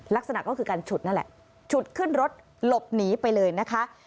ลักษณะก็คือการฉุดนั่นแหละฉุดขึ้นรถหลบหนีไปเลยนะคะ